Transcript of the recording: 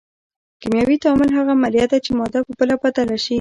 کیمیاوي تعامل هغه عملیه ده چې ماده په بله بدله شي.